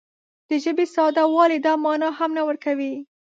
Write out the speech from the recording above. د ژبې ساده والی دا مانا هم نه ورکوي